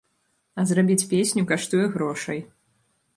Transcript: А зрабіць песню каштуе грошай.